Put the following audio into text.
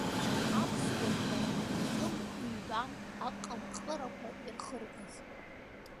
Аԥсуа жәлар акым-ҩбам аҟымҟырақәа ирхыргаз.